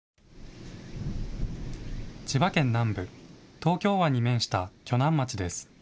千葉県南部東京湾に面した鋸南町です。